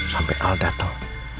sampai al datang